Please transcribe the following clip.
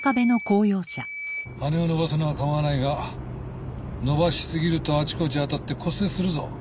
羽を伸ばすのは構わないが伸ばしすぎるとあちこち当たって骨折するぞ。